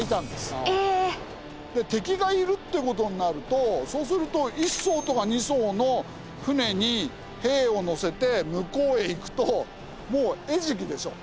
敵がいるって事になるとそうすると１艘とか２艘の舟に兵を乗せて向こうへ行くともう餌食でしょ。